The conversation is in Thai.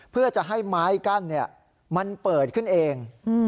เพื่อจะให้ไม้กั้นมันเปิดขึ้นเอง